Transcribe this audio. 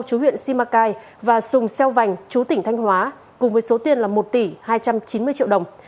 chú huyện simacai và sùng xeo vành chú tỉnh thanh hóa cùng với số tiền là một tỷ hai trăm chín mươi triệu đồng